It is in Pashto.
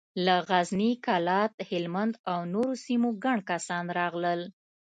له غزني، کلات، هلمند او نورو سيمو ګڼ کسان راغلل.